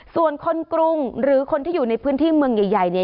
ส่วนคนกรุงหรือคนที่อยู่ในพื้นที่เมืองใหญ่เนี่ย